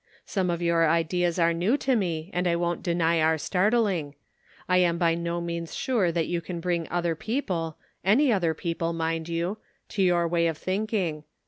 Some of your ideas are new to me. and I won't deny are startling. I am by no means sure that you can bring other people — any other people, mind 3 011 — to your way of thinking.